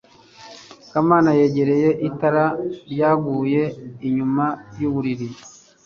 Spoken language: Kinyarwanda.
kamana yegereye itara ryaguye inyuma yuburiri